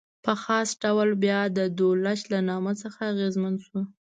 په خاص ډول بیا د دولچ له نامه څخه اغېزمن شو.